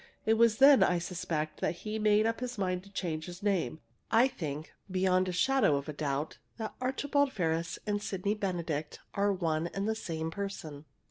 It was then, I suspect, that he made up his mind to change his name. I think, beyond a shadow of a doubt, that Archibald Ferris and Sydney Benedict are one and the same person!"